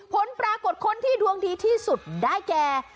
ผลปรากฏคนที่ดวงดีที่สุดได้แก่